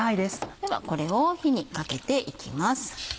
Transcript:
ではこれを火にかけていきます。